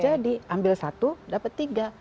jadi ambil satu dapat tiga